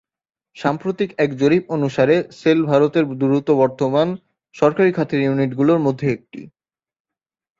সাম্প্রতিক এক জরিপ অনুসারে, সেল ভারতের দ্রুত বর্ধমান সরকারি খাতের ইউনিটগুলির মধ্যে একটি।